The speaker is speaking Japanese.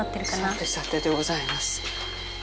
さてさてでございます。